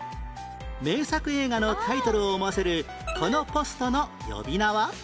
名作映画のタイトルを思わせるこのポストの呼び名は？